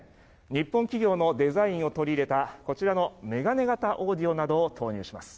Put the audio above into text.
日本企業のデザインを取り入れたこちらの眼鏡型オーディオなどを投入します。